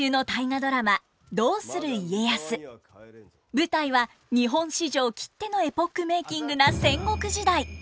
舞台は日本史上きってのエポックメーキングな戦国時代！